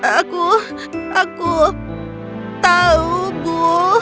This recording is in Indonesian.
aku aku tahu bu